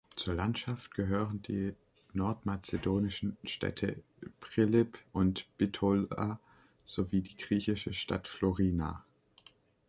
Zur Landschaft gehören die nordmazedonischen Städte Prilep und Bitola sowie die griechische Stadt Florina.